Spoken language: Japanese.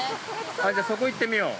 ◆じゃあ、そこ行ってみよう。